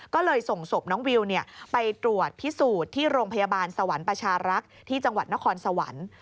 ก็เลยส่งศพน้องวิวไปตรวจพิสูจน์ที่โรงพยาบาลสวรรค์ประชารักษ์ที่จังหวัดนครสวรรค์